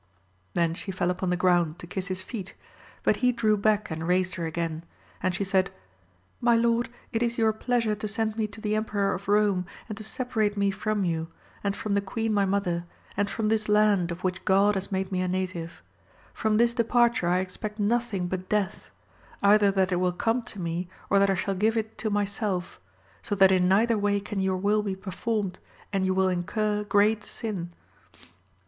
Then she fell upon the ground to kiss his feet, but he drew back and raised her again; and she said, My lord, it is your pleasure to send me to the Emperor of Eome, and to separate me from you, and from the queen my mother, and from this land of which God has made me a native; from this departure I expect nothing but death, either that it will come to me, or that I shall give it to myself, so that in neither way can your will be performed, and you wiU incur great sin.